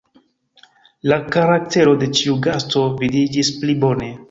La karaktero de ĉiu gasto vidiĝis pli bone.